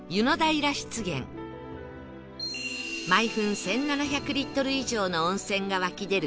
毎分１７００リットル以上の温泉が湧き出る